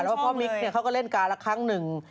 ว่าพ่อมิ๊กเขาก็เล่นการละครั้งหนึ่ง